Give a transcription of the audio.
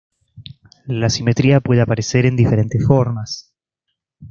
La simetría puede aparecer en diferentes formas.